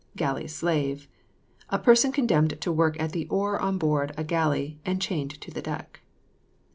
GALLEY SLAVE. A person condemned to work at the oar on board a galley, and chained to the deck.